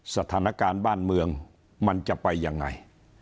สถานการณ์บ้านเมืองมันจะไปยังไง